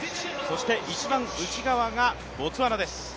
一番内側がボツワナです。